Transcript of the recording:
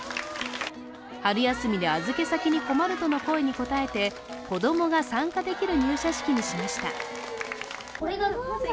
春休みで預け先に困るとの声に応えて子供が参加できる入社式にしました。